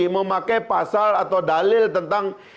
memakai pasal atau dalil tentang